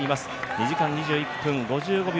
２時間２１分５５秒